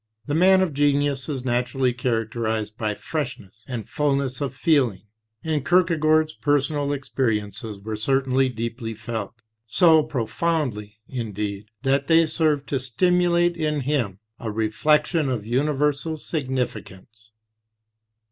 The man of genius is naturally characterized by freshness and fulness of feeling, and Kierkegaard's personal experiences were cer tainly deeply felt; so profoundly, indeed, that they served to stimulate in him a reflection of universal significance.